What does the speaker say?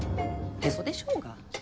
へそでしょうが。